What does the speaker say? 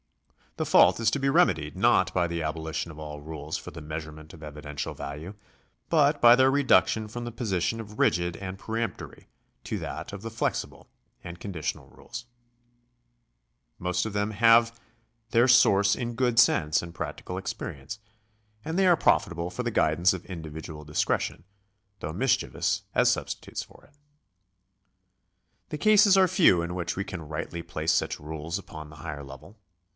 The fault is to be remedied not by the abolition of all rules for the measurement of evidential value, but by their reduction from the position of rigid and peremptory to that of flexible and conditional rules. ^ Most * Vide supra, § 10. §176] THE LAW OF PROCEDURE 453 of them have their source in good sense and practical experience, and they are profitable for the guidance of individual discretion, though mischievous as substitutes for it. The cases are few in which we can rightly place such rules upon the higher level.